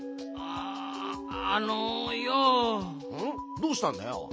どうしたんだよ？